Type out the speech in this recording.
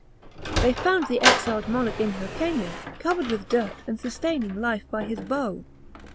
They found the exiled monarch in Hyrcania, covered with dirt and sustaining life by his bow.